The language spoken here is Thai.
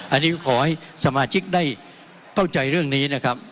อันนี้ก็ขอให้สมาชิกได้เข้าใจเรื่องนี้นะครับ